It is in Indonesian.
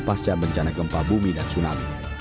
pasca bencana gempa bumi dan tsunami